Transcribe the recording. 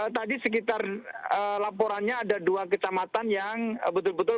tadi sekitar laporannya ada dua kecamatan yang betul betul